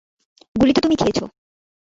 গুলি তো তুমি খেয়েছো।